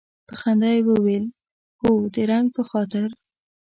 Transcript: په خندا یې وویل هو د رنګ په خاطر.